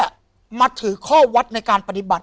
นักศิษย์นึงแค่มาถือข้อวัดในการปฏิบัติ